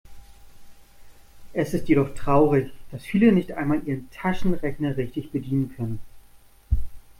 Es ist jedoch traurig, dass viele nicht einmal ihren Taschenrechner richtig bedienen können.